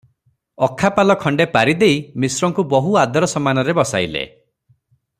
ଅଖାପାଲ ଖଣ୍ଡେ ପାରି ଦେଇ ମିଶ୍ରଙ୍କୁ ବହୁ ଆଦର ସମ୍ମାନରେ ବସାଇଲେ ।